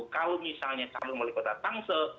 kalau misalnya calon wali kota tangsel